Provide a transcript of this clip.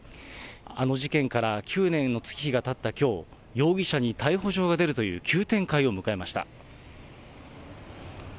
あの事件から９年の月日がたったきょう、容疑者に逮捕状が出るという、急展開を迎えました。